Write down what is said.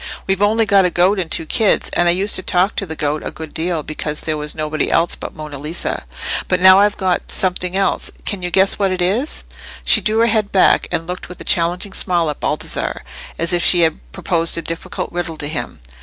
We've only got a goat and two kids, and I used to talk to the goat a good deal, because there was nobody else but Monna Lisa. But now I've got something else—can you guess what it is?" She drew her head back, and looked with a challenging smile at Baldassarre, as if she had proposed a difficult riddle to him.